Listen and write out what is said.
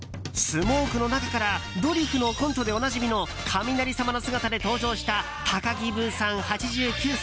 スモークの中からドリフのコントでおなじみの雷様の姿で登場した高木ブーさん、８９歳。